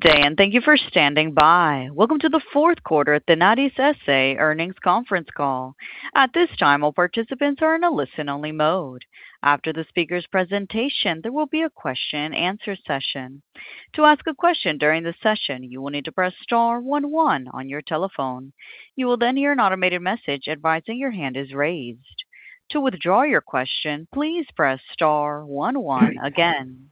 Good day, and thank you for standing by. Welcome to the fourth quarter at the Tenaris S.A. Earnings Conference Call. At this time, all participants are in a listen-only mode. After the speaker's presentation, there will be a question and answer session. To ask a question during the session, you will need to press star one one on your telephone. You will then hear an automated message advising your hand is raised. To withdraw your question, please press star one one again.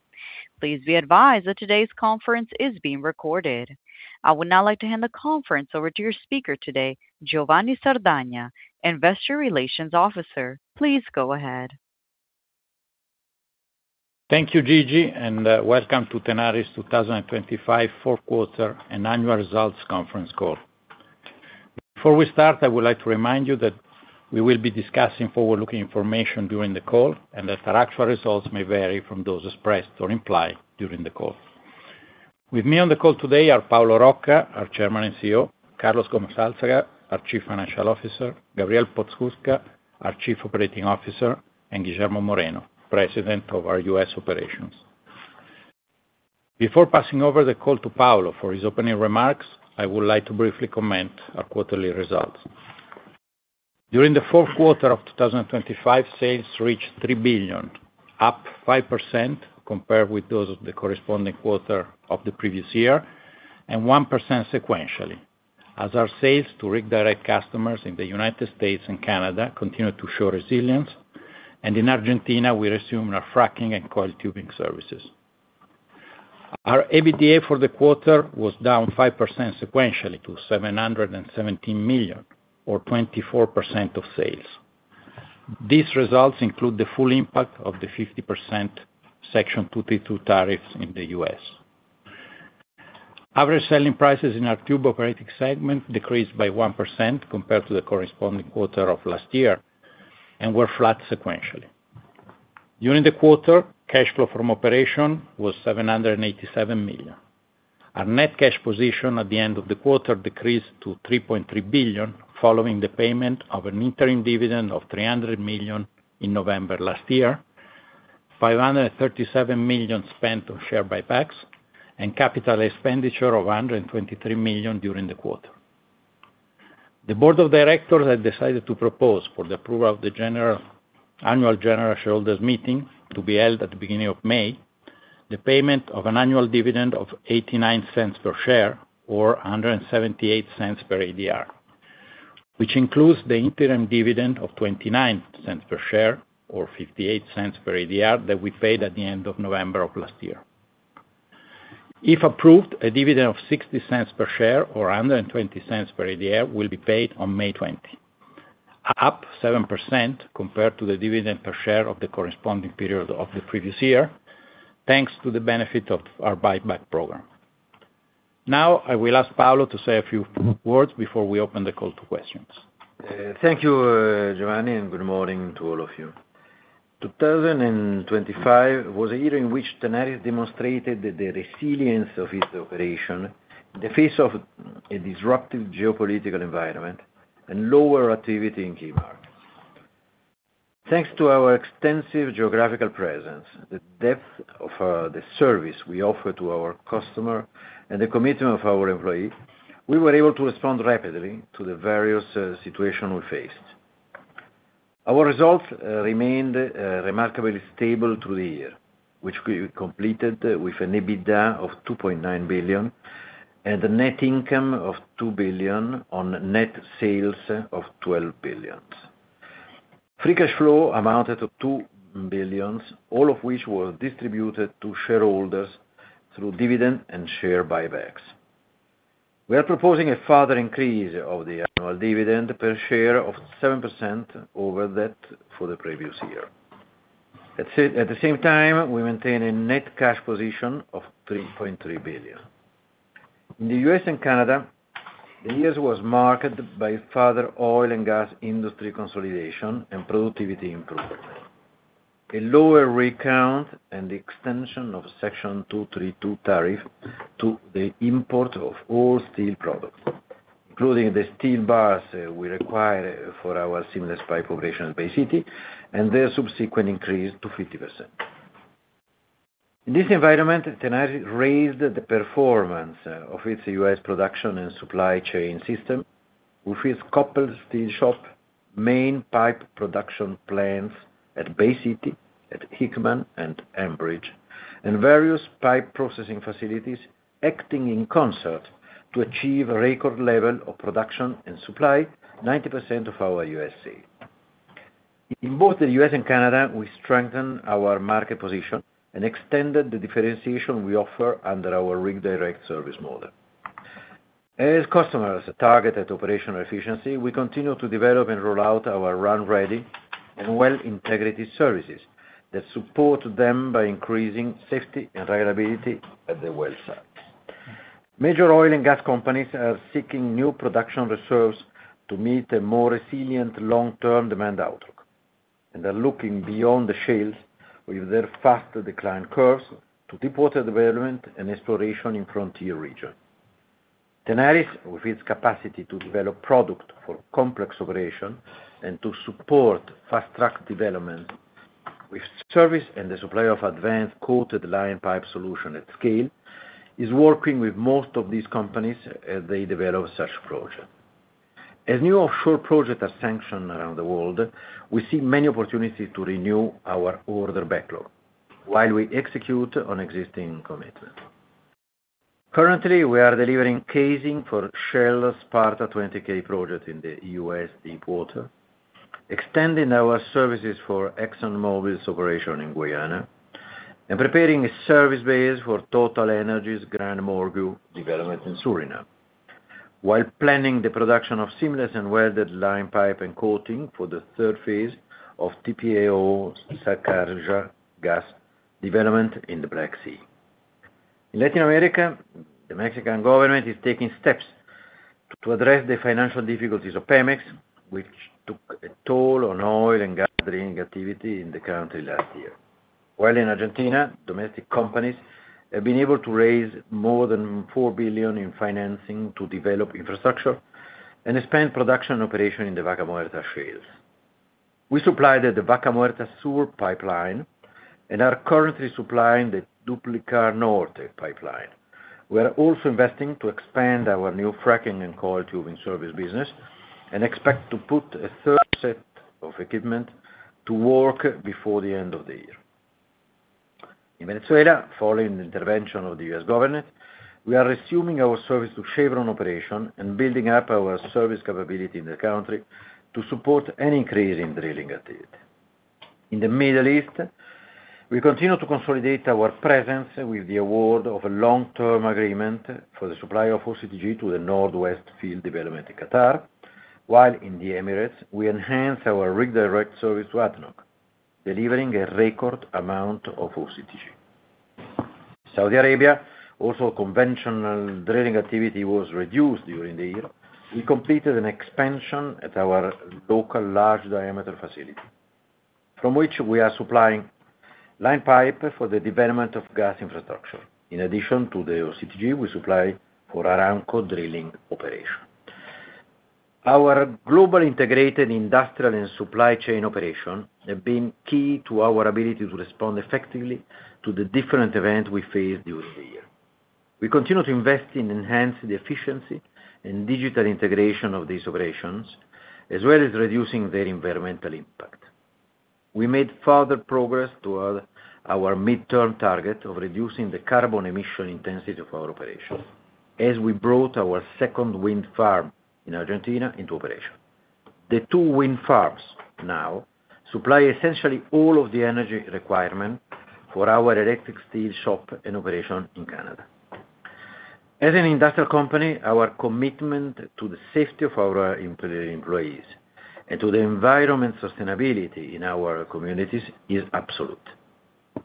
Please be advised that today's conference is being recorded. I would now like to hand the conference over to your speaker today, Giovanni Sardagna, Investor Relations Officer. Please go ahead. Thank you, Gigi, and welcome to Tenaris 2025 fourth quarter and annual results conference call. Before we start, I would like to remind you that we will be discussing forward-looking information during the call and that our actual results may vary from those expressed or implied during the call. With me on the call today are Paolo Rocca, our Chairman and CEO, Carlos Gómez Álzaga, our Chief Financial Officer, Gabriel Podskubka, our Chief Operating Officer, and Guillermo Moreno, President of our U.S. Operations. Before passing over the call to Paolo for his opening remarks, I would like to briefly comment our quarterly results. During the fourth quarter of 2025, sales reached $3 billion, up 5% compared with those of the corresponding quarter of the previous year, and 1% sequentially, as our sales to rig direct customers in the United States and Canada continued to show resilience, and in Argentina, we resumed our fracking and coil tubing services. Our EBITDA for the quarter was down 5% sequentially to $717 million, or 24% of sales. These results include the full impact of the 50% Section 232 tariffs in the U.S. Average selling prices in our tube operating segment decreased by 1% compared to the corresponding quarter of last year and were flat sequentially. During the quarter, cash flow from operation was $787 million. Our net cash position at the end of the quarter decreased to $3.3 billion, following the payment of an interim dividend of $300 million in November last year, $537 million spent on share buybacks, and capital expenditure of $123 million during the quarter. The board of directors have decided to propose for the approval of the annual general shareholders meeting, to be held at the beginning of May, the payment of an annual dividend of $0.89 per share or $1.78 per ADR, which includes the interim dividend of $0.29 per share or $0.58 per ADR that we paid at the end of November of last year. If approved, a dividend of $0.60 per share or $1.20 per ADR will be paid on May 20, up 7% compared to the dividend per share of the corresponding period of the previous year, thanks to the benefit of our buyback program. Now, I will ask Paolo to say a few words before we open the call to questions. Thank you, Giovanni, and good morning to all of you. 2025 was a year in which Tenaris demonstrated the resilience of its operation in the face of a disruptive geopolitical environment and lower activity in key markets. Thanks to our extensive geographical presence, the depth of the service we offer to our customer, and the commitment of our employees, we were able to respond rapidly to the various situation we faced. Our results remained remarkably stable through the year, which we completed with an EBITDA of $2.9 billion and a net income of $2 billion on net sales of $12 billion. Free cash flow amounted to $2 billion, all of which were distributed to shareholders through dividend and share buybacks. We are proposing a further increase of the annual dividend per share of 7% over that for the previous year. At the same time, we maintain a net cash position of $3.3 billion. In the U.S. and Canada, the years was marked by further oil and gas industry consolidation and productivity improvement, a lower rig count, and the extension of Section 232 tariff to the import of all steel products, including the steel bars we require for our seamless pipe operation at Bay City, and their subsequent increase to 50%. In this environment, Tenaris raised the performance of its U.S. production and supply chain system, with its coupled steel shop, main pipe production plants at Bay City, at Hickman and Enbridge, and various pipe processing facilities acting in concert to achieve a record level of production and supply, 90% of our U.S. sales. In both the U.S. and Canada, we strengthened our market position and extended the differentiation we offer under our Rig Direct service model. As customers targeted operational efficiency, we continue to develop and roll out our Run Ready and Well Integrity services that support them by increasing safety and reliability at the well site. Major oil and gas companies are seeking new production reserves to meet a more resilient long-term demand outlook, and are looking beyond the shales with their faster decline curves to deepwater development and exploration in frontier region.... Tenaris, with its capacity to develop product for complex operation and to support fast-track development with service and the supply of advanced coated line pipe solution at scale, is working with most of these companies as they develop such project. As new offshore project are sanctioned around the world, we see many opportunities to renew our order backlog, while we execute on existing commitment. Currently, we are delivering casing for Shell Sparta 20K project in the U.S. deepwater, extending our services for ExxonMobil's operation in Guyana, and preparing a service base for TotalEnergies' Grand Morné development in Suriname, while planning the production of seamless and welded line pipe and coating for the third phase of TPAO Sakarya gas development in the Black Sea. In Latin America, the Mexican government is taking steps to address the financial difficulties of Pemex, which took a toll on oil and gas drilling activity in the country last year. While in Argentina, domestic companies have been able to raise more than $4 billion in financing to develop infrastructure and expand production operation in the Vaca Muerta fields. We supplied the Vaca Muerta South pipeline and are currently supplying the Duplica Norte pipeline. We are also investing to expand our new fracking and coil tubing service business and expect to put a third set of equipment to work before the end of the year. In Venezuela, following the intervention of the U.S. government, we are resuming our service to Chevron operation and building up our service capability in the country to support any increase in drilling activity. In the Middle East, we continue to consolidate our presence with the award of a long-term agreement for the supply of OCTG to the Northwest Field development in Qatar, while in the Emirates, we enhance our Rig Direct service to ADNOC, delivering a record amount of OCTG. In Saudi Arabia, also, conventional drilling activity was reduced during the year. We completed an expansion at our local large diameter facility, from which we are supplying line pipe for the development of gas infrastructure, in addition to the OCTG we supply for Aramco drilling operation. Our global integrated industrial and supply chain operation have been key to our ability to respond effectively to the different events we faced during the year. We continue to invest in enhancing the efficiency and digital integration of these operations, as well as reducing their environmental impact. We made further progress toward our midterm target of reducing the carbon emission intensity of our operations, as we brought our second wind farm in Argentina into operation. The two wind farms now supply essentially all of the energy requirement for our electric steel shop and operation in Canada. As an industrial company, our commitment to the safety of our employees and to the environmental sustainability in our communities is absolute.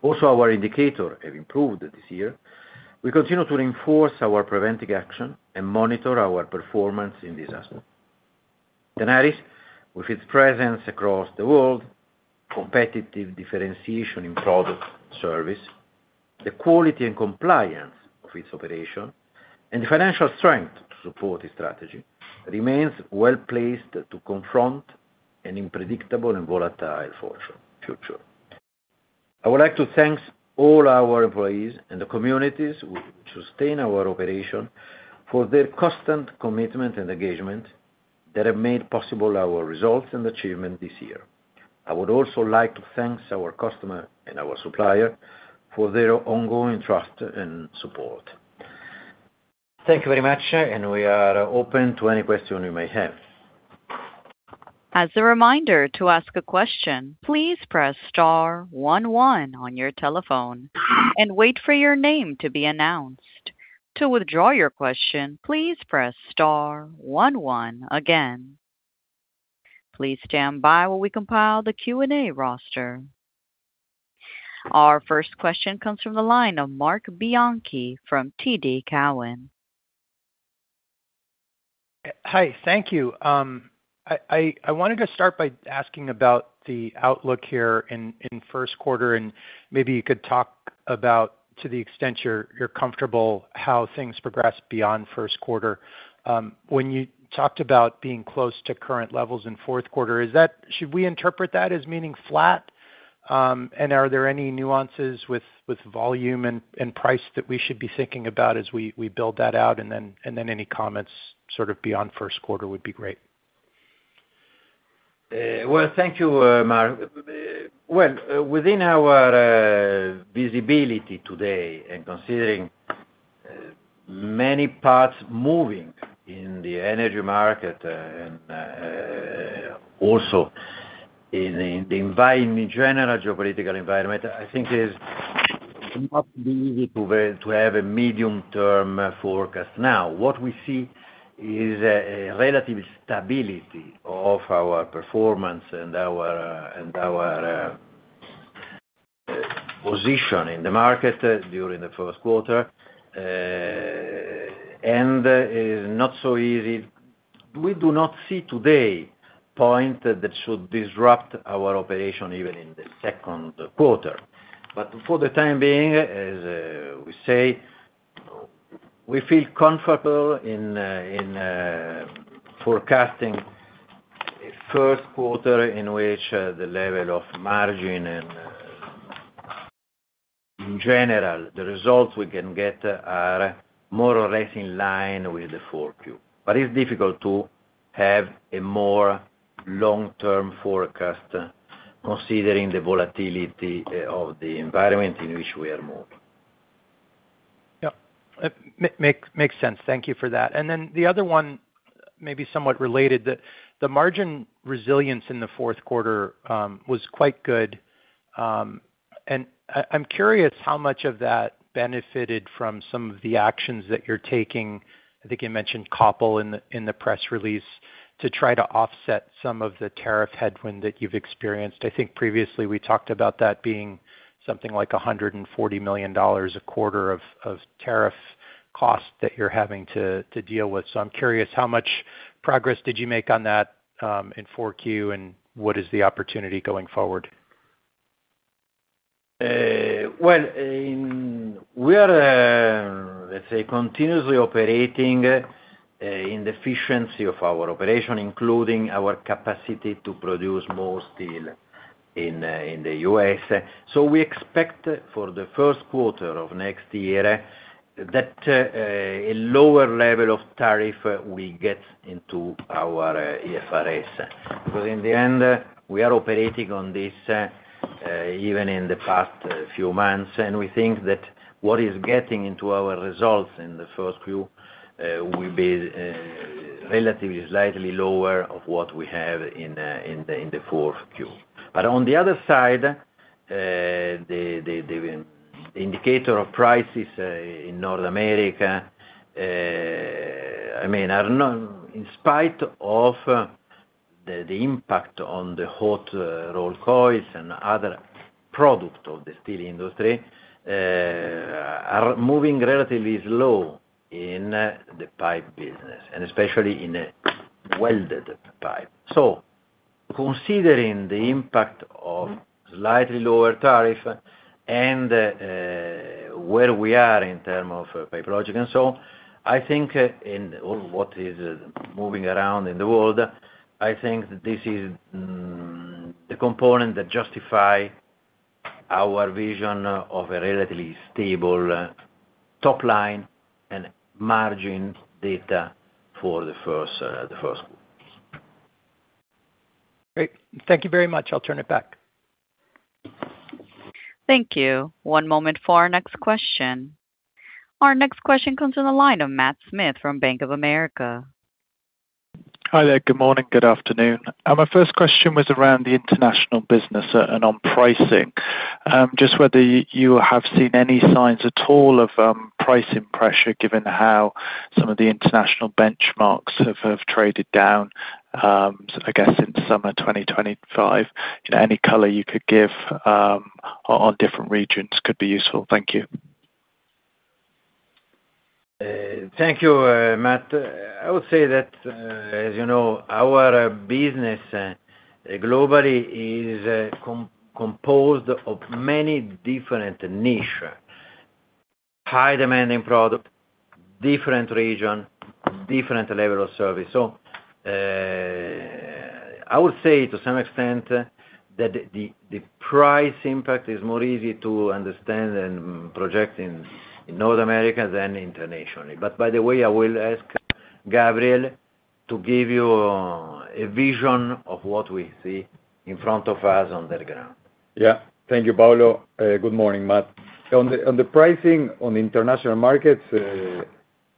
Also, our indicators have improved this year. We continue to reinforce our preventive action and monitor our performance in this aspect. Tenaris, with its presence across the world, competitive differentiation in product service, the quality and compliance of its operation, and the financial strength to support the strategy, remains well placed to confront an unpredictable and volatile future. I would like to thank all our employees and the communities who sustain our operation for their constant commitment and engagement that have made possible our results and achievement this year. I would also like to thank our customer and our supplier for their ongoing trust and support. Thank you very much, and we are open to any question you may have. As a reminder, to ask a question, please press star 11 on your telephone and wait for your name to be announced. To withdraw your question, please press star 11 again. Please stand by while we compile the Q&A roster. Our first question comes from the line of Mark Bianchi from TD Cowen. Hi, thank you. I wanted to start by asking about the outlook here in first quarter, and maybe you could talk about, to the extent you're comfortable, how things progress beyond first quarter. When you talked about being close to current levels in fourth quarter, is that? Should we interpret that as meaning flat? And are there any nuances with volume and price that we should be thinking about as we build that out, and then any comments sort of beyond first quarter would be great. Well, thank you, Mark. Well, within our visibility today and considering many parts moving in the energy market, and also in general, geopolitical environment, I think is not easy to have a medium-term forecast. Now, what we see is a relative stability of our performance and our position in the market during the first quarter, and it's not so easy. We do not see today point that should disrupt our operation even in the second quarter. But for the time being, as we say, we feel comfortable in forecasting a first quarter in which the level of margin and, in general, the results we can get are more or less in line with the fourth Q. It's difficult to have a more long-term forecast, considering the volatility of the environment in which we are moving. Yep. Makes sense. Thank you for that. And then the other one, maybe somewhat related, the margin resilience in the fourth quarter was quite good. And I'm curious how much of that benefited from some of the actions that you're taking, I think you mentioned couple in the press release, to try to offset some of the tariff headwind that you've experienced. I think previously we talked about that being something like $140 million a quarter of tariff costs that you're having to deal with. So I'm curious, how much progress did you make on that in 4Q, and what is the opportunity going forward? Well, in we are, let's say, continuously operating, in the efficiency of our operation, including our capacity to produce more steel in, in the U.S. So we expect for the first quarter of next year, that, a lower level of tariff will get into our, EFRs. Because in the end, we are operating on this, even in the past few months, and we think that what is getting into our results in the first Q, will be, relatively slightly lower of what we have in, in the, in the fourth Q. But on the other side, the indicator of prices in North America, I mean, are not—in spite of the impact on the hot rolled coils and other products of the steel industry, are moving relatively slow in the pipe business, and especially in a welded pipe. So considering the impact of slightly lower tariff and where we are in term of Pipe Logix, and so, I think in what is moving around in the world, I think this is the component that justify our vision of a relatively stable top line and margin data for the first quarter. Great. Thank you very much. I'll turn it back. Thank you. One moment for our next question. Our next question comes from the line of Matt Smith from Bank of America. Hi there. Good morning, good afternoon. My first question was around the international business and on pricing. Just whether you have seen any signs at all of pricing pressure, given how some of the international benchmarks have traded down, I guess, since summer 2025? Any color you could give on different regions could be useful. Thank you. Thank you, Matt. I would say that, as you know, our business globally is composed of many different niche, high-demanding product, different region, different level of service. So, I would say, to some extent, that the price impact is more easy to understand and project in North America than internationally. But by the way, I will ask Gabriel to give you a vision of what we see in front of us on the ground. Yeah. Thank you, Paolo. Good morning, Matt. On the pricing on the international markets,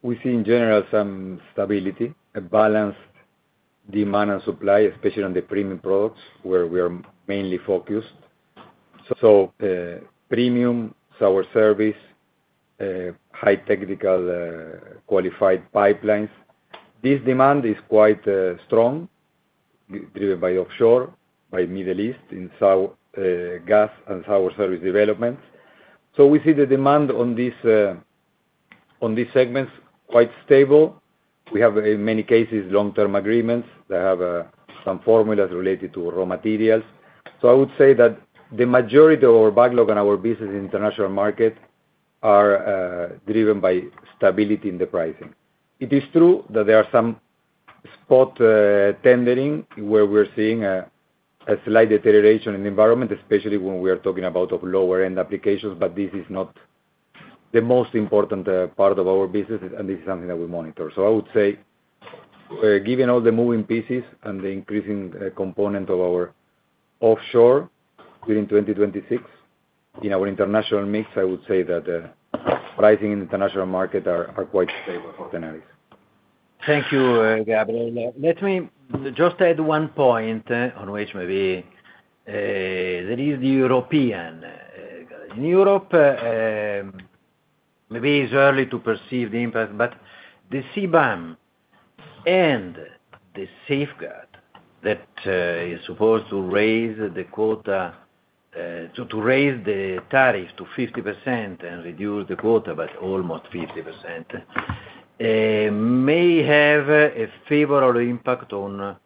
we see in general some stability, a balanced demand and supply, especially on the premium products, where we are mainly focused. So, premium, sour service, high technical, qualified pipelines. This demand is quite strong, driven by offshore, by Middle East, in sour gas and sour service development. So we see the demand on these, on these segments, quite stable. We have, in many cases, long-term agreements that have some formulas related to raw materials. So I would say that the majority of our backlog and our business in international market are driven by stability in the pricing. It is true that there are some spot tendering, where we're seeing a slight deterioration in environment, especially when we are talking about of lower end applications, but this is not the most important part of our business, and this is something that we monitor. So I would say, given all the moving pieces and the increasing component of our offshore within 2026, in our international mix, I would say that pricing in the international market are quite stable for Tenaris. Thank you, Gabriel. Let me just add one point on which maybe that is the European. In Europe, maybe it's early to perceive the impact, but the CBAM and the safeguard that is supposed to raise the quota- to raise the tariff to 50% and reduce the quota by almost 50%, may have a favorable impact on a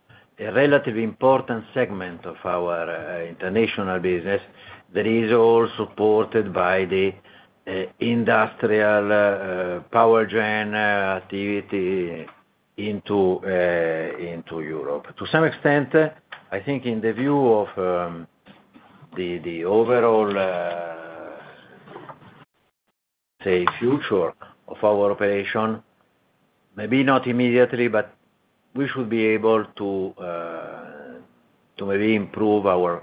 relatively important segment of our international business that is all supported by the industrial power gen activity into into Europe. To some extent, I think in the view of the overall say future of our operation, maybe not immediately, but we should be able to really improve our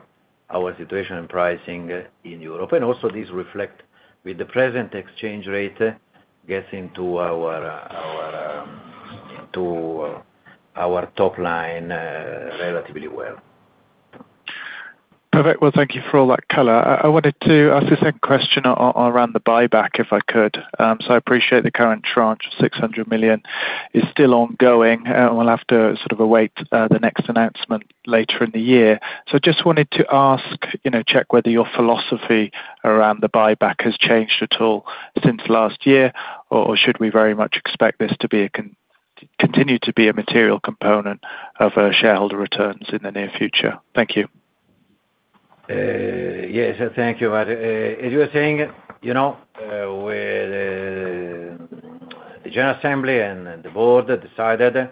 situation and pricing in Europe. Also this reflect with the present exchange rate, getting to our top line relatively well. Perfect. Well, thank you for all that color. I wanted to ask a second question around the buyback, if I could. So I appreciate the current tranche, $600 million, is still ongoing. We'll have to sort of await the next announcement later in the year. So just wanted to ask, you know, check whether your philosophy around the buyback has changed at all since last year, or should we very much expect this to continue to be a material component of shareholder returns in the near future? Thank you. Yes, thank you, Matt. As you were saying, you know, with the general assembly and the board decided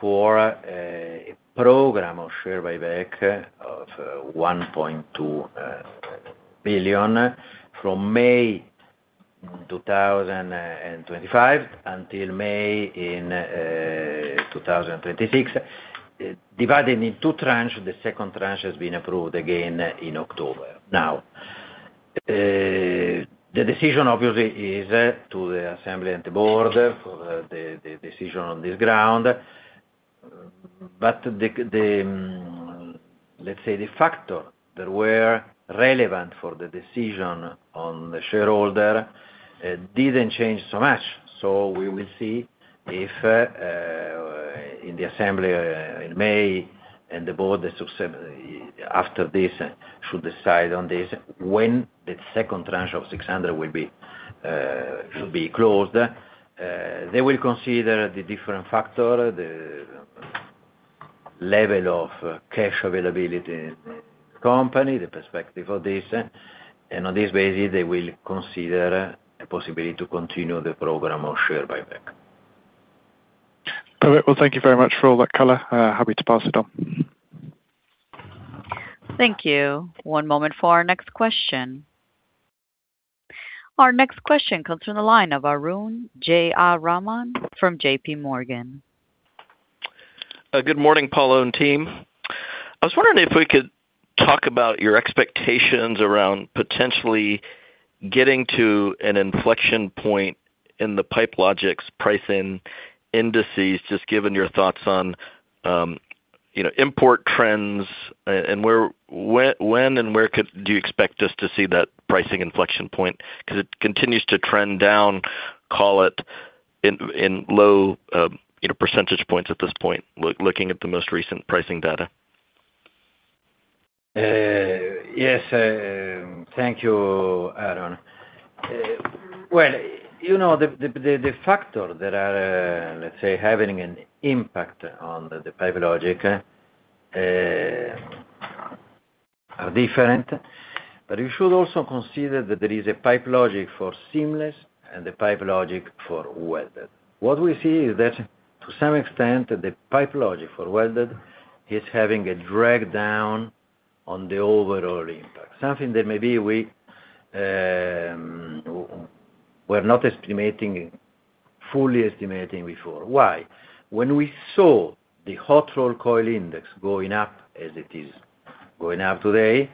for a program of share buyback of $1.2 billion from May 2025 until May in 2026, divided in two tranche, the second tranche has been approved again in October. Now, the decision, obviously, is to the assembly and the board for the decision on this ground. But the, let's say, the factor that were relevant for the decision on the shareholder didn't change so much. We will see if in the assembly in May and the board after this should decide on this, when the second tranche of $600 will be should be closed. They will consider the different factor, the level of cash availability in the company, the perspective of this, and on this basis, they will consider a possibility to continue the program of share buyback. Perfect. Well, thank you very much for all that color. Happy to pass it on. Thank you. One moment for our next question. Our next question comes from the line of Arun Jayaram from JP Morgan. Good morning, Paolo and team. I was wondering if we could talk about your expectations around potentially getting to an inflection point in the Pipe Logix pricing indices, just given your thoughts on, you know, import trends and where, when and where could, do you expect us to see that pricing inflection point? Because it continues to trend down, call it, in low, you know, percentage points at this point, looking at the most recent pricing data. Yes, thank you, Arun. Well, you know, the factors that are, let's say, having an impact on the Pipe Logix, are different. But you should also consider that there is a Pipe Logix for seamless and a Pipe Logix for welded. What we see is that, to some extent, the Pipe Logix for welded is having a drag down on the overall impact, something that maybe we, we're not fully estimating before. Why? When we saw the hot rolled coil index going up, as it is going up today,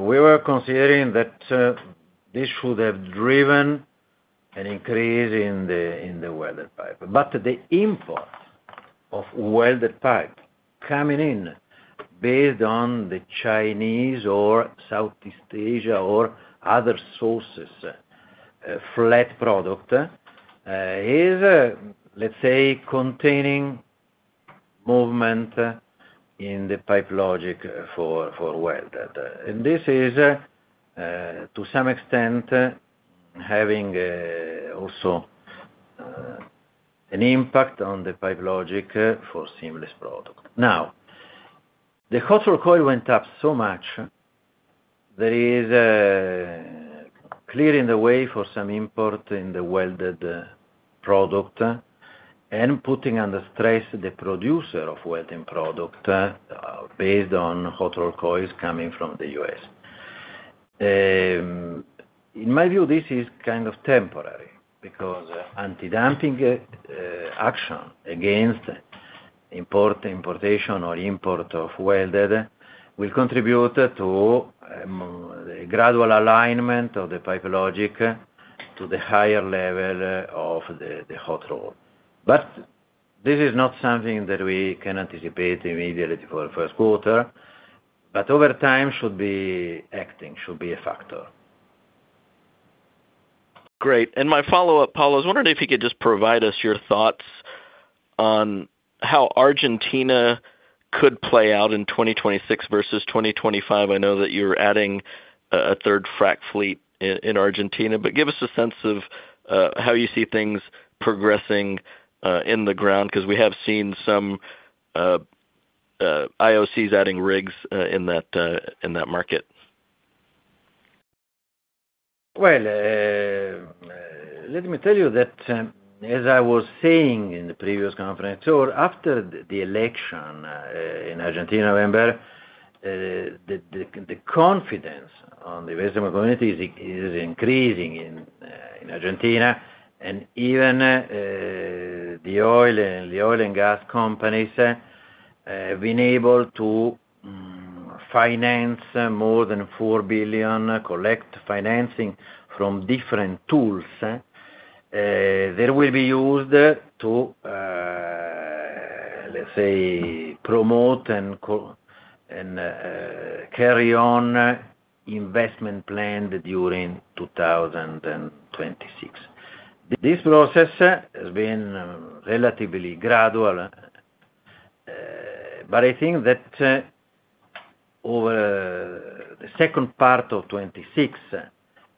we were considering that, this should have driven an increase in the, in the welded pipe. But the import of welded pipe coming in based on the Chinese or Southeast Asia or other sources, flat product, is, let's say, containing movement in the Pipe Logix for welded. And this is, to some extent, having also an impact on the Pipe Logix for seamless product. Now, the hot rolled coil went up so much, there is clearing the way for some import in the welded product and putting under stress the producer of welding product, based on hot rolled coils coming from the U.S. In my view, this is kind of temporary, because anti-dumping action against import, importation or import of welded will contribute to the gradual alignment of the Pipe Logix to the higher level of the hot roll. This is not something that we can anticipate immediately for the first quarter, but over time, should be acting, should be a factor.... Great. And my follow-up, Paulo, I was wondering if you could just provide us your thoughts on how Argentina could play out in 2026 versus 2025. I know that you're adding a third frack fleet in Argentina, but give us a sense of how you see things progressing in the ground, because we have seen some IOCs adding rigs in that market. Well, let me tell you that, as I was saying in the previous conference call, after the election in Argentina, November, the confidence on the investment community is increasing in Argentina, and even the oil and gas companies have been able to finance more than $4 billion, collect financing from different tools that will be used to, let's say, promote and carry on investment planned during 2026. This process has been relatively gradual, but I think that over the second part of 2026,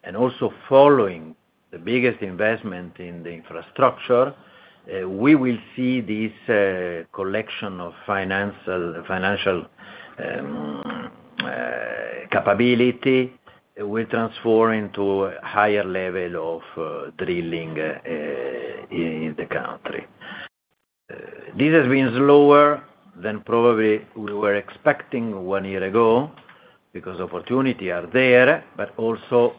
and also following the biggest investment in the infrastructure, we will see this collection of financial capability will transform into higher level of drilling in the country. This has been slower than probably we were expecting one year ago, because opportunity are there, but also,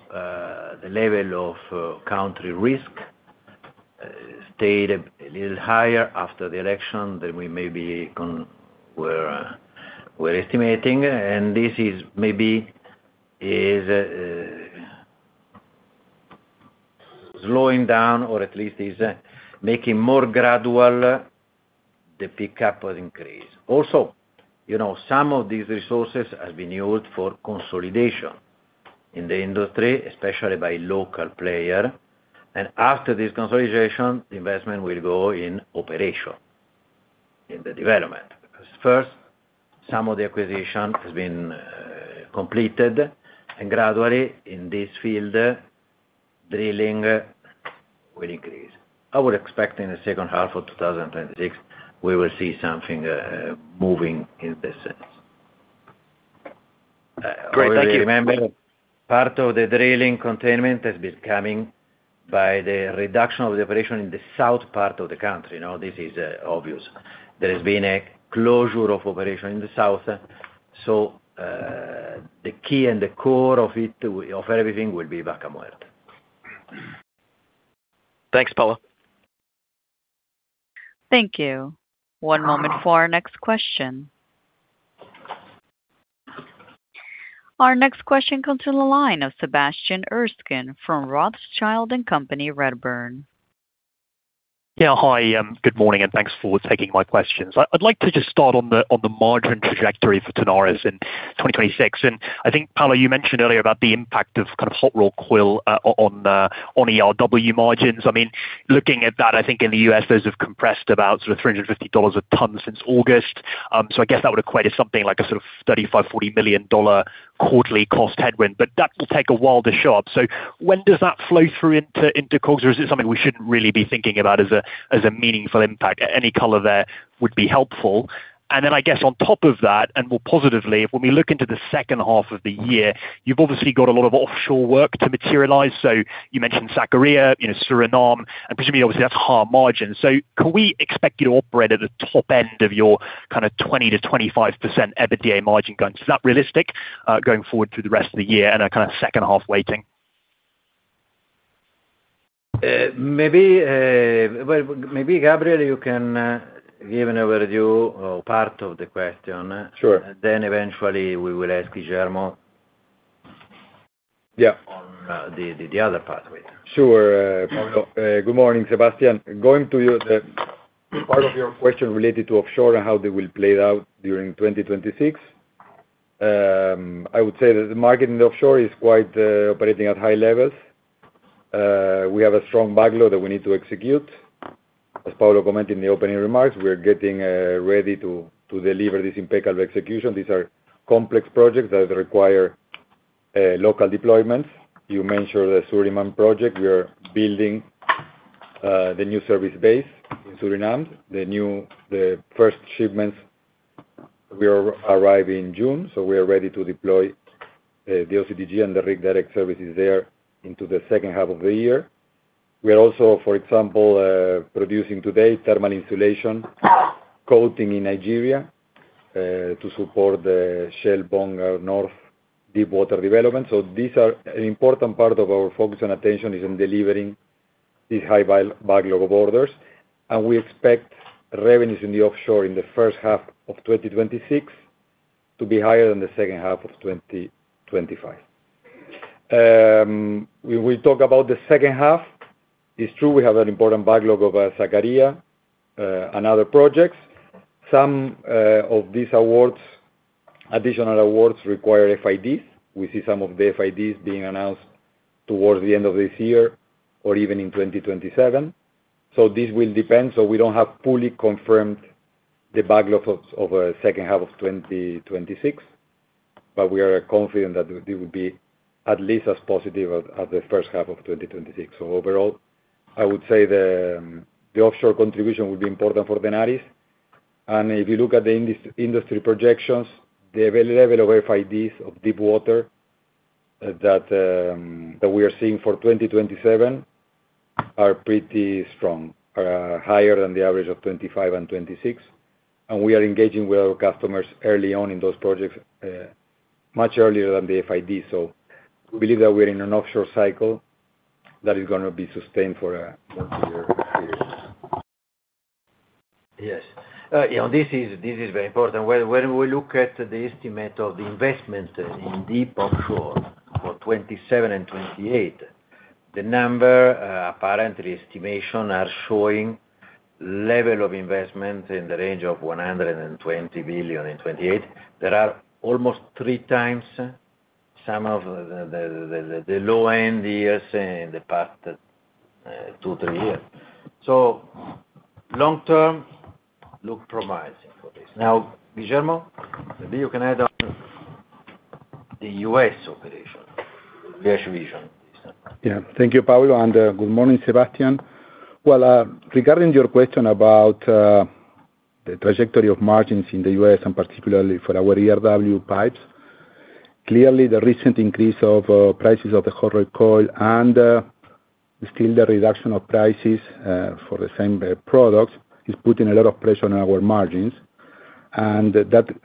the level of country risk stayed a little higher after the election than we maybe were estimating. And this is maybe slowing down, or at least is making more gradual, the pickup or increase. Also, you know, some of these resources have been used for consolidation in the industry, especially by local player. And after this consolidation, the investment will go in operation, in the development. First, some of the acquisition has been completed, and gradually, in this field, drilling will increase. I would expect in the second half of 2026, we will see something moving in this sense. Great. Thank you. Part of the drilling containment has been coming by the reduction of the operation in the south part of the country. Now, this is, obvious. There has been a closure of operation in the south, so, the key and the core of it, of everything, will be Vaca Muerta. Thanks, Paulo. Thank you. One moment for our next question. Our next question comes to the line of Sebastian Sherwin from Rothschild and Company, Redburn. Yeah. Hi, good morning, and thanks for taking my questions. I'd like to just start on the margin trajectory for Tenaris in 2026. I think, Paolo, you mentioned earlier about the impact of kind of Hot Rolled Coil on ERW margins. I mean, looking at that, I think in the U.S., those have compressed about sort of $350 a ton since August. So I guess that would equate to something like a sort of $35-$40 million quarterly cost headwind, but that will take a while to show up. When does that flow through into COGS, or is it something we shouldn't really be thinking about as a meaningful impact? Any color there would be helpful. Then I guess on top of that, and more positively, when we look into the second half of the year, you've obviously got a lot of offshore work to materialize. So you mentioned Sakarya, you know, Suriname, and presumably, obviously, that's high margin. So can we expect you to operate at the top end of your kind of 20%-25% EBITDA margin guidance? Is that realistic going forward through the rest of the year and a kind of second half weighting? Maybe, well, maybe, Gabriel, you can give an overview of part of the question. Sure. Then, eventually, we will ask Guillermo- Yeah... on the other pathway. Sure, good morning, Sebastian. Going to you, the part of your question related to offshore and how they will play out during 2026, I would say that the market in the offshore is quite operating at high levels. We have a strong backlog that we need to execute. As Paulo commented in the opening remarks, we are getting ready to deliver this impeccable execution. These are complex projects that require local deployments. You mentioned the Suriname project. We are building the new service base in Suriname. The first shipments will arrive in June, so we are ready to deploy the OCTG and the Rig Direct services there into the second half of the year. We are also, for example, producing today thermal insulation coating in Nigeria to support the Shell Bonga North deepwater development. So these are an important part of our focus and attention is in delivering these high-value backlog of orders, and we expect revenues in the offshore in the first half of 2026 to be higher than the second half of 2025. When we talk about the second half, it's true, we have an important backlog of Sakarya and other projects. Some of these additional awards require FIDs. We see some of the FIDs being announced towards the end of this year or even in 2027. So this will depend, so we don't have fully confirmed the backlog of second half of 2026, but we are confident that it will be at least as positive as the first half of 2026. So overall, I would say the offshore contribution will be important for Tenaris. And if you look at the industry projections, the available level of FIDs of deep water, that we are seeing for 2027 are pretty strong, higher than the average of 25 and 26, and we are engaging with our customers early on in those projects, much earlier than the FID. So we believe that we're in an offshore cycle that is gonna be sustained for multiple years. Yes. You know, this is very important. When we look at the estimate of the investment in deep offshore for 2027 and 2028, the number, apparently estimation, are showing level of investment in the range of $120 billion in 2028. There are almost 3 times some of the low end years in the past 2-3 years. So long term look promising for this. Now, Guillermo, maybe you can add on the U.S. operation, U.S. region. Yeah. Thank you, Paolo, and good morning, Sebastian. Well, regarding your question about the trajectory of margins in the U.S., and particularly for our ERW pipes, clearly the recent increase of prices of the hot rolled coil and still the reduction of prices for the same products is putting a lot of pressure on our margins. And that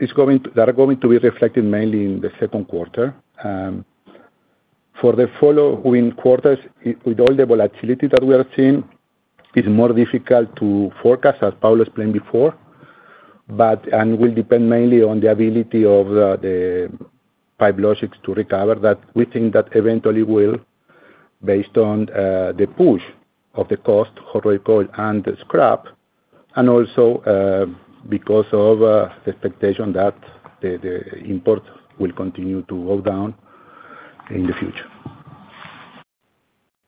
are going to be reflected mainly in the second quarter. For the following quarters, with all the volatility that we are seeing, it's more difficult to forecast, as Paolo explained before, but and will depend mainly on the ability of the pipe logistics to recover, that we think that eventually will, based on the push of the cost, Hot Rolled Coil, and the scrap, and also because of the expectation that the import will continue to go down in the future.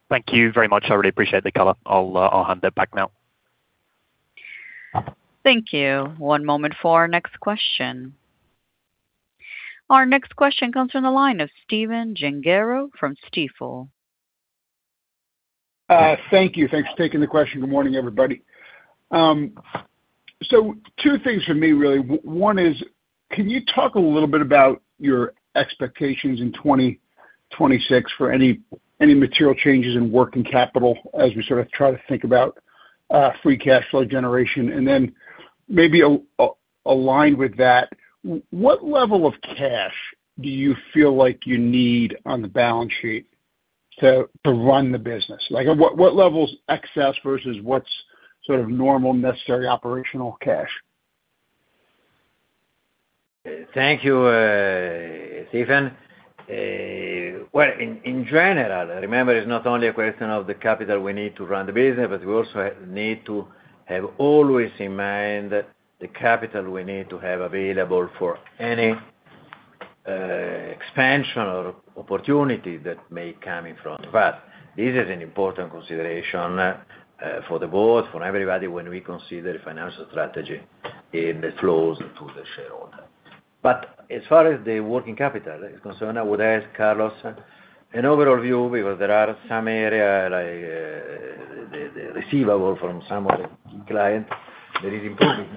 Thank you very much. I really appreciate the color. I'll, I'll hand it back now. Thank you. One moment for our next question. Our next question comes from the line of Stephen Gengaro from Stifel. Thank you. Thanks for taking the question. Good morning, everybody. So two things for me, really. One is, can you talk a little bit about your expectations in 2026 for any, any material changes in working capital, as we sort of try to think about, free cash flow generation? And then maybe aligned with that, what level of cash do you feel like you need on the balance sheet to run the business? Like, at what level's excess versus what's sort of normal, necessary operational cash? Thank you, Stephen. Well, in general, remember, it's not only a question of the capital we need to run the business, but we also need to have always in mind that the capital we need to have available for any expansion or opportunity that may come in front. But this is an important consideration for the board, for everybody, when we consider financial strategy in the flows to the shareholder. But as far as the working capital is concerned, I would ask Carlos an overall view, because there are some area, like the receivable from some of the clients that is improving.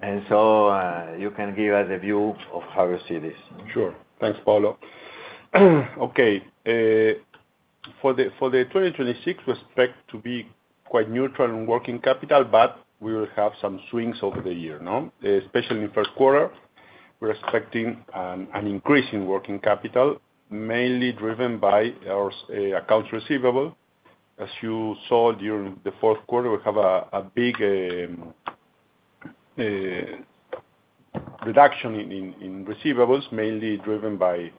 And so you can give us a view of how you see this. Sure. Thanks, Paolo. Okay, for the 2026, we expect to be quite neutral in working capital, but we will have some swings over the year, no? Especially in the first quarter, we're expecting an increase in working capital, mainly driven by our accounts receivable. As you saw during the fourth quarter, we have a big reduction in receivables, mainly driven by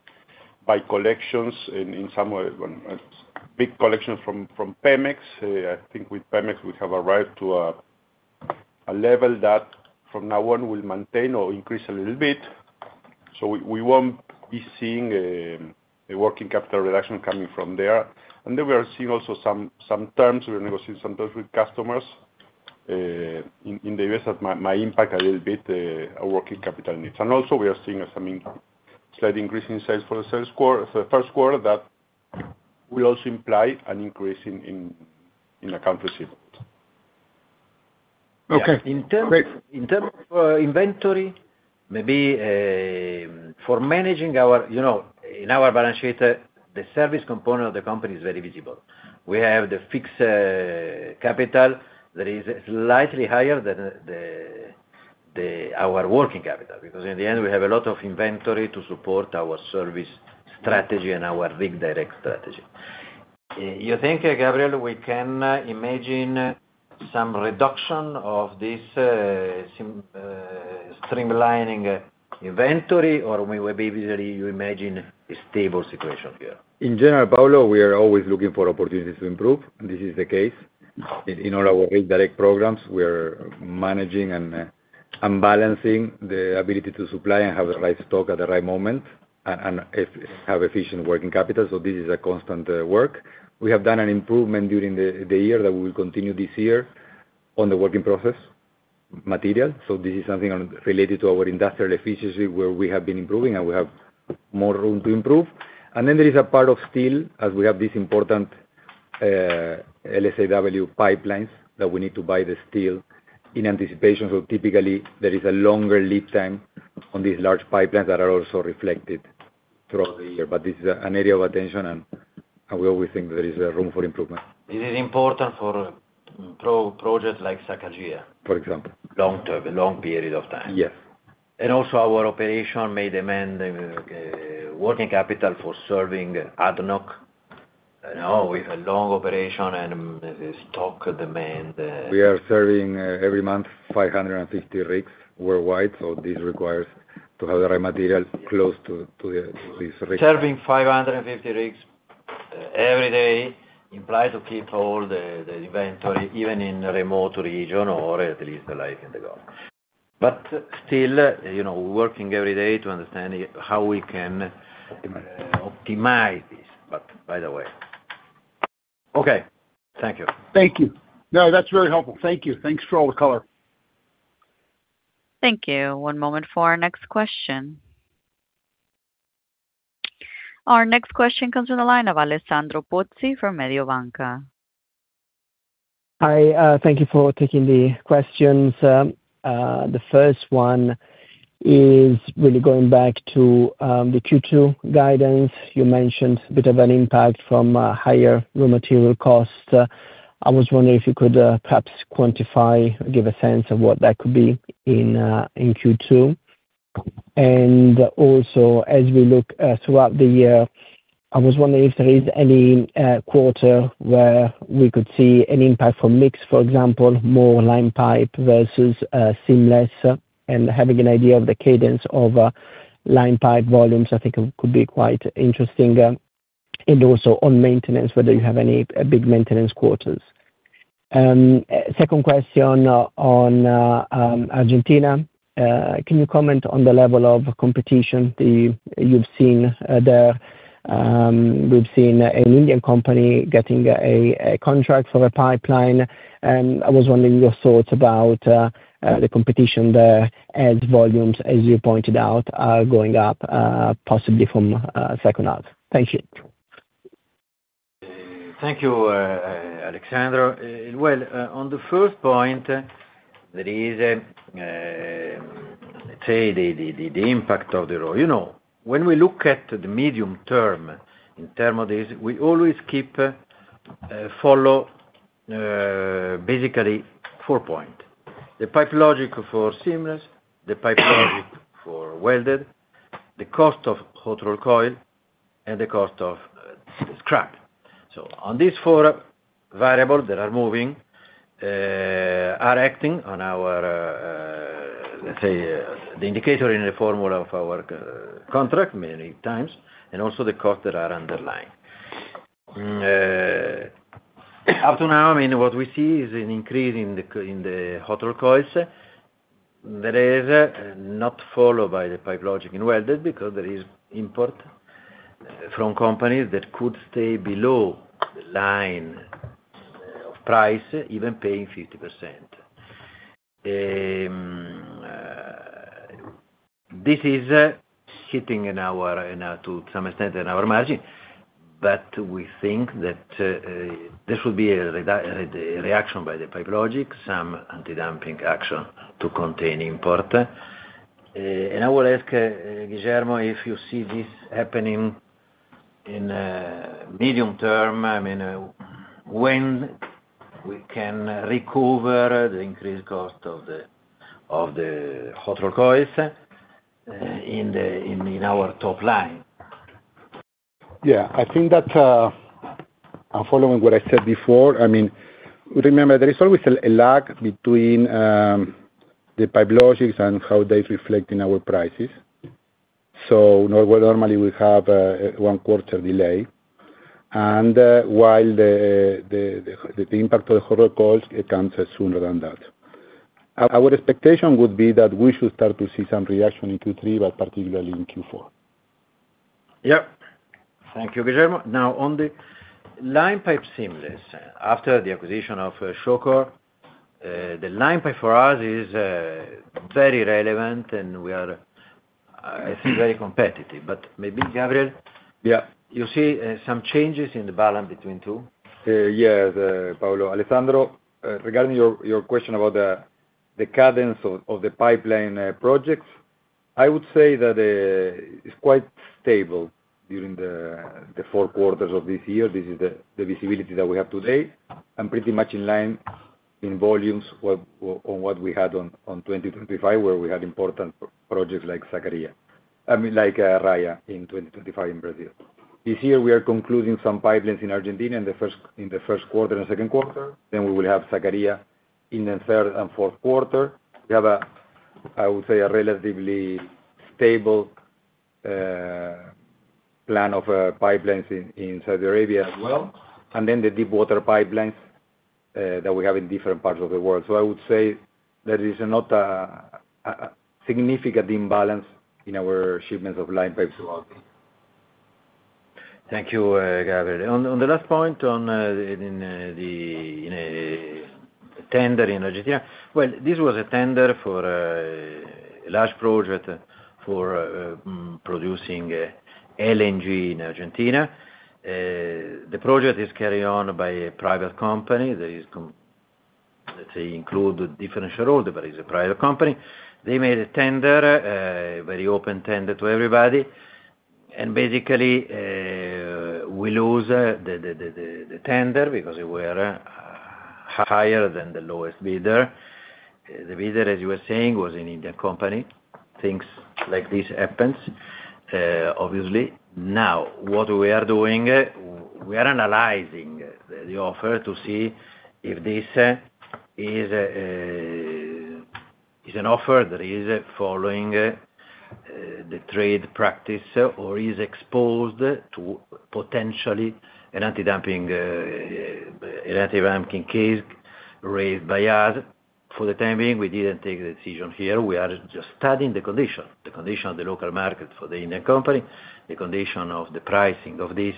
collections in some way, big collections from Pemex. I think with Pemex, we have arrived to a level that from now on will maintain or increase a little bit. So we won't be seeing a working capital reduction coming from there. Then we are seeing also some terms we are negotiating some terms with customers in the U.S. that might impact a little bit our working capital needs. Also, we are seeing some slight increase in sales for the first quarter that will also imply an increase in accounts receivable. Okay. Great. In terms, in terms of inventory, maybe for managing our, you know, in our balance sheet, the service component of the company is very visible. We have the fixed capital that is slightly higher than our working capital, because in the end, we have a lot of inventory to support our service strategy and our Rig Direct strategy. You think, Gabriel, we can imagine some reduction of this streamlining inventory, or we will be visually you imagine a stable situation here? In general, Paolo, we are always looking for opportunities to improve, and this is the case. In all our Rig Direct programs, we are managing and,... and balancing the ability to supply and have the right stock at the right moment, and have efficient working capital, so this is a constant work. We have done an improvement during the year that will continue this year on the working process material, so this is something related to our industrial efficiency, where we have been improving, and we have more room to improve. And then there is a part of steel, as we have this important LSAW pipelines, that we need to buy the steel in anticipation. So typically, there is a longer lead time on these large pipelines that are also reflected throughout the year. But this is an area of attention, and we always think there is room for improvement. It is important for projects like Sakarya? For example. Long term, a long period of time. Yes. And also our operation may demand working capital for serving ADNOC. I know we have a long operation and there's stock demand, We are serving every month, 550 rigs worldwide, so this requires to have the right material close to this rig. Serving 550 rigs every day implies to keep all the inventory, even in remote region, or at least like in the Gulf. But still, you know, working every day to understand how we can optimize this, but by the way. Okay. Thank you. Thank you. No, that's very helpful. Thank you. Thanks for all the color. Thank you. One moment for our next question. Our next question comes from the line of Alessandro Pozzi, from Mediobanca. Hi, thank you for taking the questions. The first one is really going back to the Q2 guidance. You mentioned a bit of an impact from higher raw material costs. I was wondering if you could perhaps quantify, give a sense of what that could be in Q2? And also, as we look throughout the year, I was wondering if there is any quarter where we could see an impact from mix, for example, more line pipe versus seamless, and having an idea of the cadence of line pipe volumes, I think could be quite interesting. And also on maintenance, whether you have any big maintenance quarters. Second question on Argentina. Can you comment on the level of competition that you've seen there? We've seen an Indian company getting a contract for a pipeline, and I was wondering your thoughts about the competition there, as volumes, as you pointed out, are going up, possibly from second half. Thank you. Thank you, Alessandro. Well, on the first point, there is a, let's say, the impact of the role. You know, when we look at the medium term, in term of this, we always keep follow basically four point: the Pipe Logix for seamless, the Pipe Logix for welded, the cost of hot-rolled coil, and the cost of scrap. So on these four variables that are moving are acting on our, let's say, the indicator in the formula of our co-contract many times, and also the costs that are underlying. Up to now, I mean, what we see is an increase in the c- in the hot-rolled coils that is not followed by the Pipe Logix in welded, because there is import from companies that could stay below the line of price, even paying 50%. This is sitting in our, to some extent, in our margin, but we think that this would be the reaction by the Pipe Logix, some anti-dumping action to contain import. And I will ask Guillermo, if you see this happening in a medium term, I mean, when we can recover the increased cost of the hot-rolled coils in our top line? Yeah, I think that, I'm following what I said before. I mean, remember, there is always a lag between the Pipe Logix and how they reflect in our prices. So normally, we have one quarter delay. And while the impact of the hot-rolled coils, it comes sooner than that. Our expectation would be that we should start to see some reaction in Q3, but particularly in Q4. Yeah. Thank you, Guillermo. Now, on the line pipe seamless, after the acquisition of Schikor, the line pipe for us is very relevant, and we are, I think, very competitive. But maybe, Gabriel- Yeah. You see, some changes in the balance between two? Yes, Paolo. Alessandro, regarding your question about the cadence of the pipeline projects, I would say that it's quite stable during the four quarters of this year. This is the visibility that we have today, and pretty much in line in volumes with what we had on 2025, where we had important projects like Sacagawea. I mean, like, Raya in 2025 in Brazil. This year, we are concluding some pipelines in Argentina in the first quarter and second quarter, then we will have Sacagawea in the third and fourth quarter. We have a, I would say, a relatively stable plan of pipelines in Saudi Arabia as well, and then the deep water pipelines that we have in different parts of the world. I would say there is not a significant imbalance in our shipments of line pipes at all. Thank you, Gabriel. On the last point, in a tender in Argentina, well, this was a tender for a large project for producing LNG in Argentina. The project is carried on by a private company that is com- let's say, include different shareholder, but it's a private company. They made a tender, very open tender to everybody, and basically, we lose the tender because we were higher than the lowest bidder. The bidder, as you were saying, was an Indian company. Things like this happens, obviously. Now, what we are doing, we are analyzing the offer to see if this is an offer that is following the trade practice or is exposed to potentially an anti-dumping case raised by us. For the time being, we didn't take a decision here. We are just studying the condition, the condition of the local market for the Indian company, the condition of the pricing of this,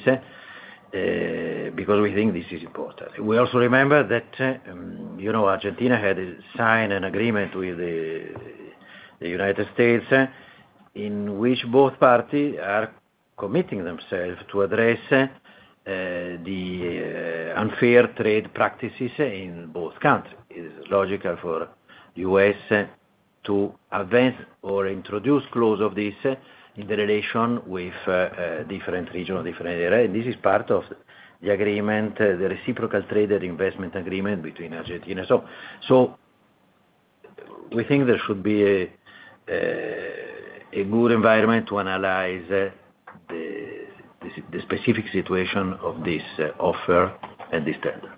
because we think this is important. We also remember that, you know, Argentina had signed an agreement with the United States, in which both parties are committing themselves to address the unfair trade practices in both countries. It is logical for the U.S. to advance or introduce clause of this in the relation with different regional, different area. And this is part of the agreement, the reciprocal trade and investment agreement between Argentina. So we think there should be a good environment to analyze the specific situation of this offer and this tender.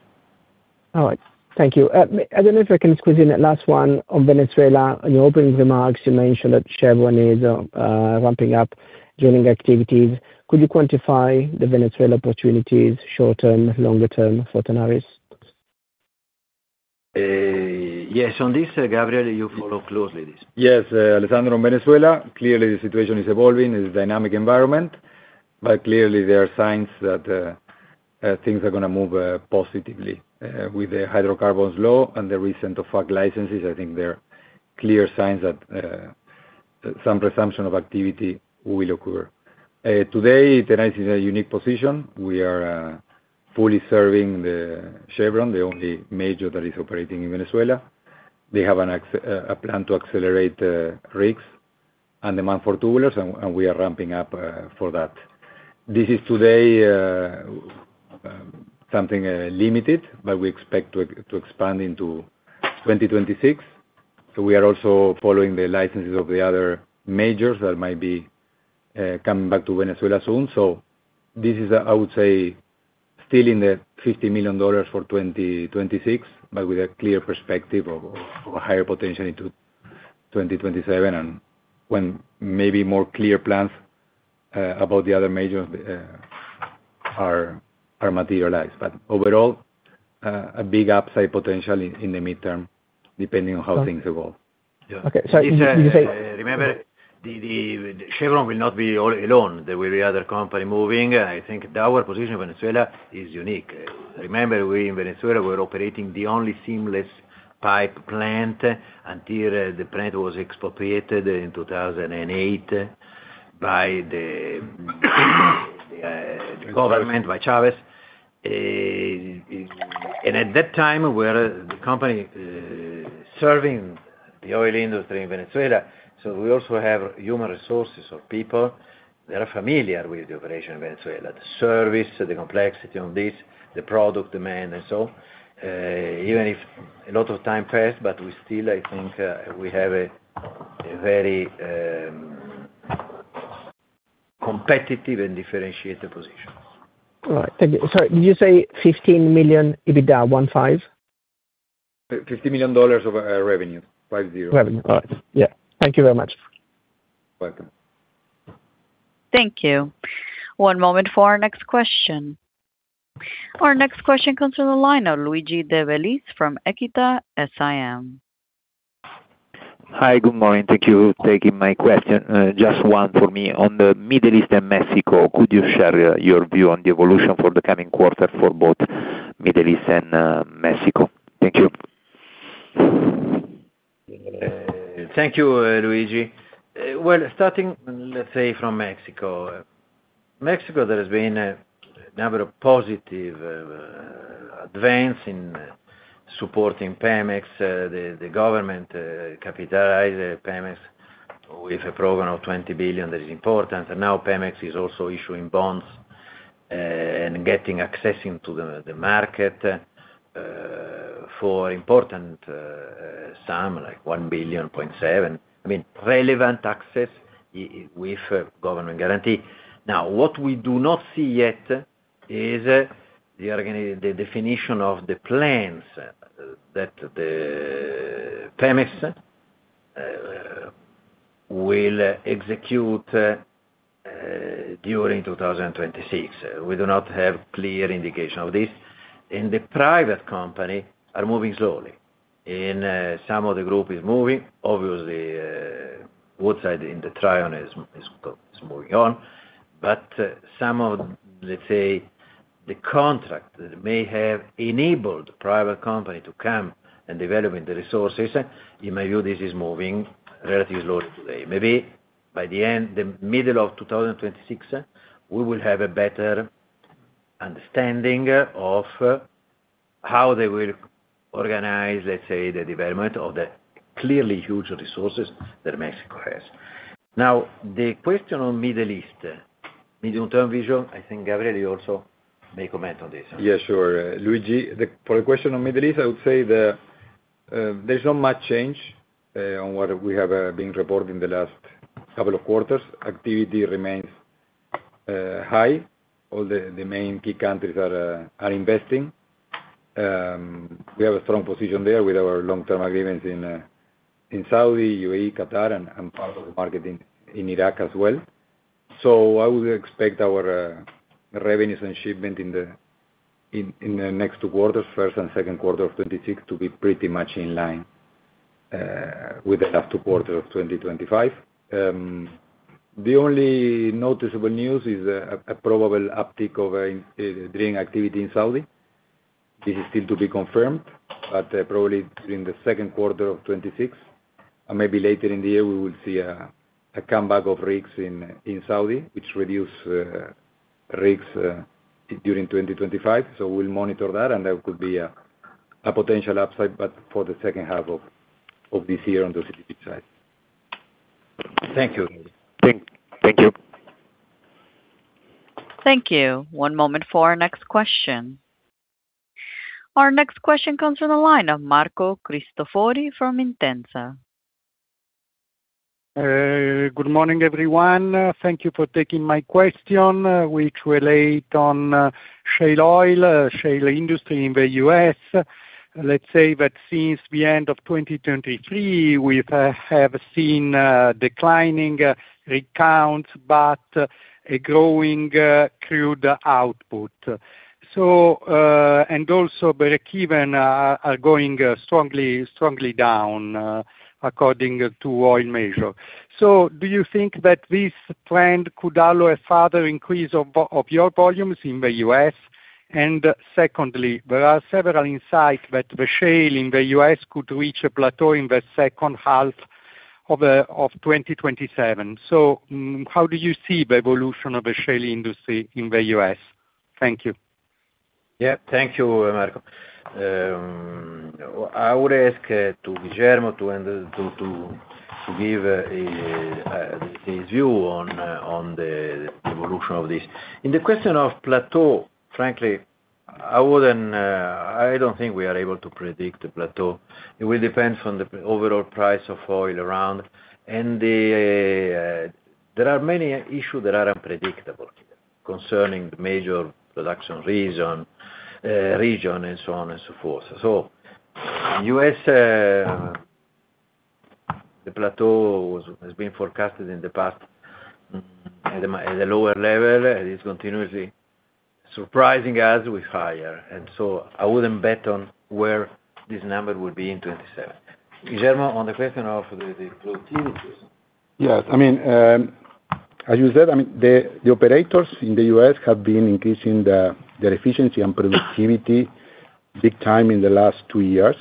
All right. Thank you. I don't know if I can squeeze in a last one on Venezuela. In your opening remarks, you mentioned that Chevron is ramping up drilling activities. Could you quantify the Venezuela opportunities short term, longer term for Tenaris? Yes, on this, Gabriel, you follow closely this. Yes, Alessandro, Venezuela, clearly the situation is evolving, it's a dynamic environment, but clearly there are signs that things are gonna move positively with the hydrocarbons law and the recent OFAC licenses, I think there are clear signs that some resumption of activity will occur. Today, Tenaris is in a unique position. We are fully serving Chevron, the only major that is operating in Venezuela. They have a plan to accelerate rigs and demand for tubulars, and we are ramping up for that. This is today something limited, but we expect to expand into 2026. So we are also following the licenses of the other majors that might be coming back to Venezuela soon. So this is, I would say, still in the $50 million for 2026, but with a clear perspective of a higher potential into 2027, and when maybe more clear plans about the other majors are materialized. But overall, a big upside potential in the midterm, depending on how things evolve. Yeah. Okay, so you say- Remember, Chevron will not be all alone. There will be other company moving, and I think our position in Venezuela is unique. Remember, we in Venezuela, we're operating the only seamless pipe plant, until the plant was expropriated in 2008 by the government, by Chavez. And at that time, we were the company serving the oil industry in Venezuela, so we also have human resources or people that are familiar with the operation in Venezuela, the service, the complexity of this, the product demand and so. Even if a lot of time passed, but we still, I think, we have a very competitive and differentiated position. All right. Thank you. Sorry, did you say $15 million EBITDA, 1, 5? $50 million of revenue, 50. Revenue, all right. Yeah. Thank you very much. Welcome. Thank you. One moment for our next question. Our next question comes from the line of Luigi De Bellis from Equita SIM. Hi, good morning. Thank you for taking my question. Just one for me. On the Middle East and Mexico, could you share your view on the evolution for the coming quarter for both Middle East and Mexico? Thank you. Thank you, Luigi. Well, starting, let's say from Mexico. Mexico, there has been a number of positive advance in supporting Pemex, the government capitalize Pemex with a program of $20 billion. That is important. Now Pemex is also issuing bonds and getting accessing to the market for important sum, like $1.7 billion. I mean, relevant access with a government guarantee. Now, what we do not see yet is the organi- the definition of the plans that Pemex will execute during 2026. We do not have clear indication of this. The private company are moving slowly, and some of the group is moving. Obviously, Woodside in the Tryon is moving on. But some of, let's say, the contract that may have enabled private company to come and develop the resources, in my view, this is moving relatively slowly today. Maybe by the end, the middle of 2026, we will have a better understanding of how they will organize, let's say, the development of the clearly huge resources that Mexico has. Now, the question on Middle East, medium-term vision, I think, Gabriel, you also may comment on this. Yes, sure. Luigi, for the question on Middle East, I would say that, there's not much change on what we have been reporting the last couple of quarters. Activity remains high. All the main key countries are investing. We have a strong position there with our long-term agreements in Saudi, UAE, Qatar, and part of the market in Iraq as well. So I would expect our revenues and shipment in the next quarters, first and second quarter of 2026, to be pretty much in line with the last two quarter of 2025. The only noticeable news is a probable uptick of drilling activity in Saudi. This is still to be confirmed, but, probably during the second quarter of 2026, or maybe later in the year, we will see a comeback of rigs in Saudi, which reduce rigs during 2025. So we'll monitor that, and there could be a potential upside, but for the second half of this year on the side. Thank you. Thank you. Thank you. One moment for our next question. Our next question comes from the line of Marco Cristofori from Intesa. Good morning, everyone. Thank you for taking my question, which relate on shale oil, shale industry in the U.S. Let's say that since the end of 2023, we've seen declining rig counts, but a growing crude output. So, and also breakeven are going strongly, strongly down according to oil measure. So do you think that this trend could allow a further increase of your volumes in the U.S.? And secondly, there are several insight that the shale in the U.S. could reach a plateau in the second half of 2027. So, how do you see the evolution of the shale industry in the U.S.? Thank you. Yeah. Thank you, Marco. I would ask to Guillermo to give his view on on the evolution of this. In the question of plateau, frankly, I wouldn't I don't think we are able to predict the plateau. It will depend on the overall price of oil around, and there are many issue that are unpredictable concerning the major production reason, region, and so on and so forth. So US the plateau has been forecasted in the past at a lower level, and it's continuously surprising us with higher. And so I wouldn't bet on where this number will be in 2027. Guillermo, on the question of the productivities. Yes. I mean, as you said, I mean, the operators in the U.S. have been increasing the, their efficiency and productivity big time in the last two years.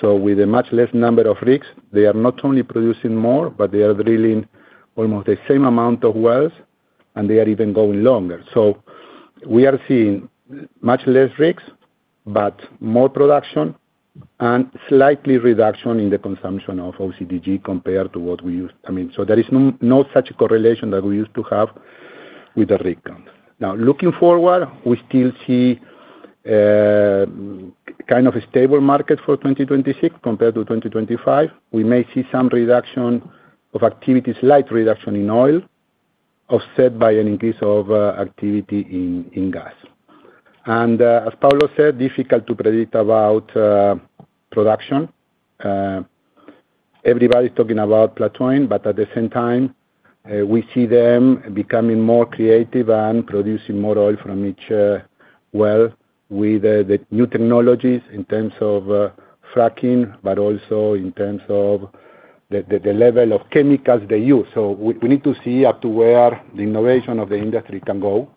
So with a much less number of rigs, they are not only producing more, but they are drilling almost the same amount of wells, and they are even going longer. So we are seeing much less risks, but more production, and slightly reduction in the consumption of OCTG compared to what we used... I mean, so there is no, no such correlation that we used to have with the rig count. Now, looking forward, we still see, kind of a stable market for 2026 compared to 2025. We may see some reduction of activity, slight reduction in oil, offset by an increase of, activity in, in gas. As Paolo said, difficult to predict about production. Everybody's talking about plateauing, but at the same time, we see them becoming more creative and producing more oil from each well, with the new technologies in terms of fracking, but also in terms of the level of chemicals they use. We need to see up to where the innovation of the industry can go.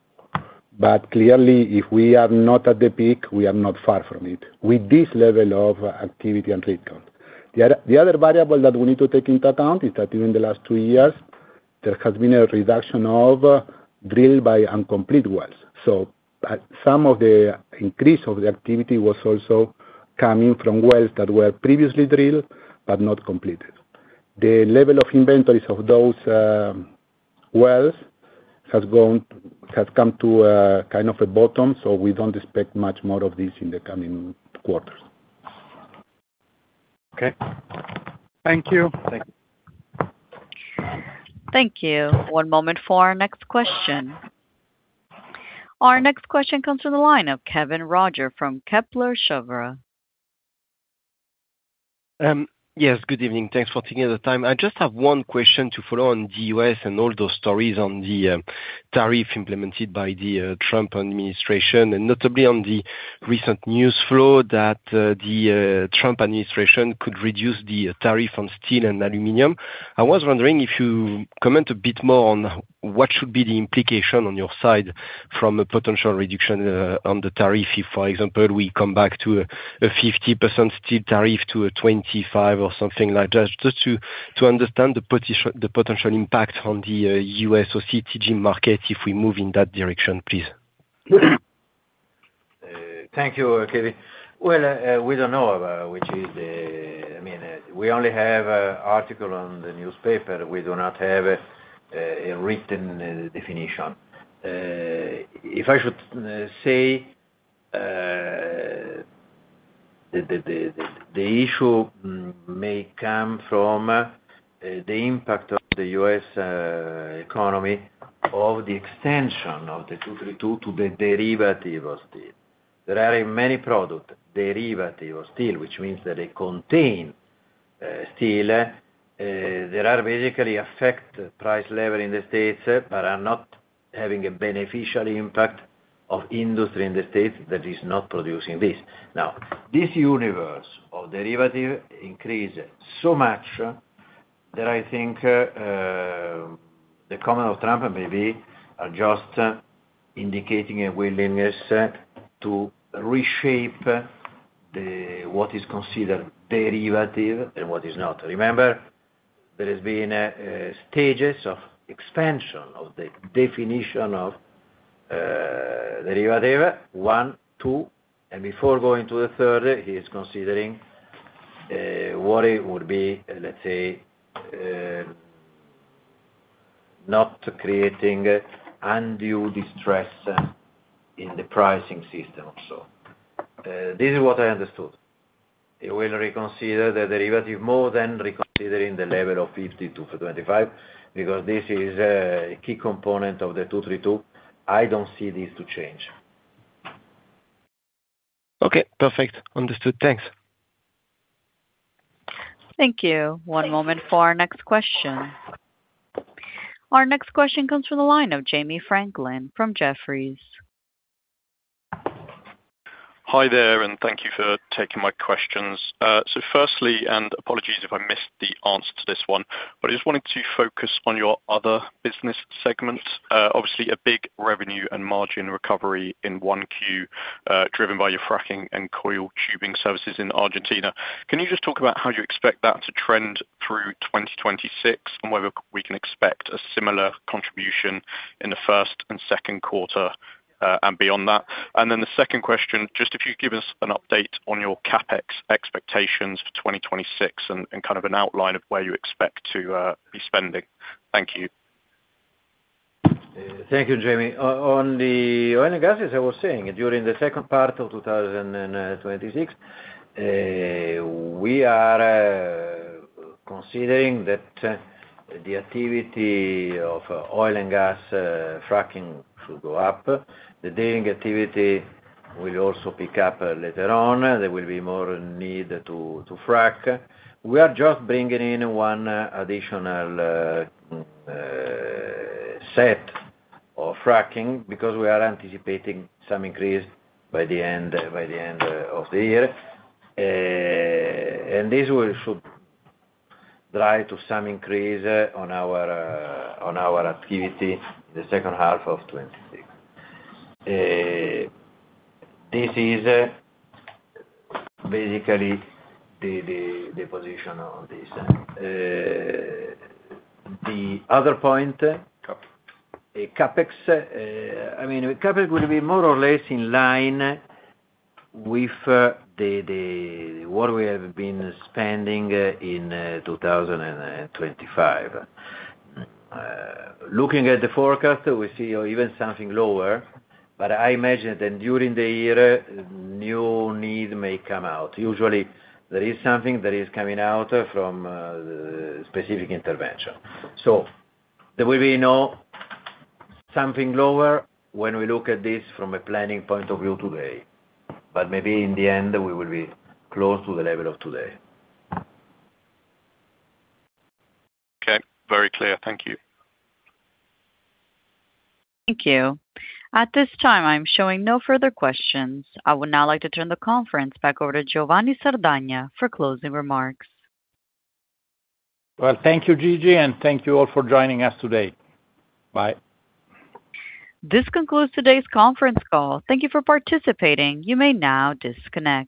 Clearly, if we are not at the peak, we are not far from it, with this level of activity and rig count. The other variable that we need to take into account is that during the last two years, there has been a reduction of drilled but uncompleted wells. Some of the increase of the activity was also coming from wells that were previously drilled but not completed. The level of inventories of those wells has gone, has come to kind of a bottom, so we don't expect much more of this in the coming quarters. Okay. Thank you. Thank you.... Thank you. One moment for our next question. Our next question comes from the line of Kevin Roger from Kepler Cheuvreux. Yes, good evening. Thanks for taking the time. I just have one question to follow on the US and all those stories on the tariff implemented by the Trump administration, and notably on the recent news flow that the Trump administration could reduce the tariff on steel and aluminum. I was wondering if you comment a bit more on what should be the implication on your side from a potential reduction on the tariff, if, for example, we come back to a 50% steel tariff to a 25 or something like that, just to understand the potential impact on the US OCTG market, if we move in that direction, please. Thank you, Kevin. Well, we don't know about which is the—I mean, we only have an article on the newspaper. We do not have a written definition. If I should say, the issue may come from the impact of the U.S. economy, of the extension of the 232 to the derivative of steel. There are many product derivative of steel, which means that they contain steel, there are basically affect price level in the states, but are not having a beneficial impact of industry in the state that is not producing this. Now, this universe of derivative increase so much that I think the comment of Trump maybe are just indicating a willingness to reshape the what is considered derivative and what is not. Remember, there has been stages of expansion of the definition of derivative 1, 2, and before going to the third, he is considering what it would be, let's say, not creating undue distress in the pricing system. So, this is what I understood. He will reconsider the derivative more than reconsidering the level of 50 to 25, because this is a key component of the 232. I don't see this to change. Okay, perfect. Understood. Thanks. Thank you. One moment for our next question. Our next question comes from the line of Jamie Franklin from Jefferies. Hi there, and thank you for taking my questions. So firstly, and apologies if I missed the answer to this one, but I just wanted to focus on your other business segments. Obviously a big revenue and margin recovery in 1Q, driven by your fracking and coil tubing services in Argentina. Can you just talk about how you expect that to trend through 2026, and whether we can expect a similar contribution in the first and second quarter, and beyond that? And then the second question, just if you could give us an update on your CapEx expectations for 2026 and kind of an outline of where you expect to be spending. Thank you. Thank you, Jamie. On the oil and gases, I was saying, during the second part of 2026, we are considering that the activity of oil and gas fracking should go up. The drilling activity will also pick up later on. There will be more need to frack. We are just bringing in one additional set of fracking, because we are anticipating some increase by the end of the year. And this will should drive to some increase on our activity in the second half of 2026. This is basically the position on this. The other point- Cap. CapEx, I mean, CapEx will be more or less in line with what we have been spending in 2025. Looking at the forecast, we see even something lower, but I imagine that during the year, new need may come out. Usually there is something that is coming out from specific intervention. So there will be no something lower when we look at this from a planning point of view today, but maybe in the end, we will be close to the level of today. Okay. Very clear. Thank you. Thank you. At this time, I'm showing no further questions. I would now like to turn the conference back over to Giovanni Sardagna for closing remarks. Well, thank you, Gigi, and thank you all for joining us today. Bye. This concludes today's conference call. Thank you for participating. You may now disconnect.